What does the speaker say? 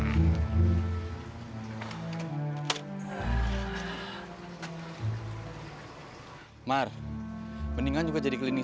ya bisa langsung dimulai